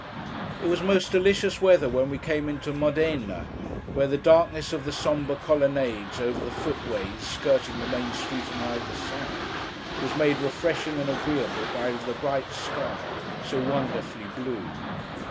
It was most delicious weather, when we came into Modena, where the darkness of the sombre colonnades over the footways skirting the main street on either side, was made refreshing and agreeable by the bright sky, so wonderfully blue.